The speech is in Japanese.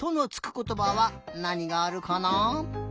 ことばはなにがあるかな？